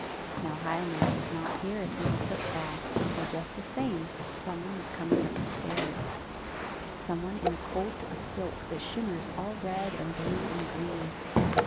Now Hialmar does not hear a single foot fall, but just the same, someone is coming up the stairs — someone in a coat of silk that shimmers all red and blue and green.